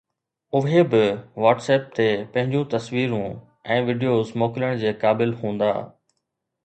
اهي به WhatsApp تي پنهنجون تصويرون ۽ وڊيوز موڪلڻ جي قابل هوندا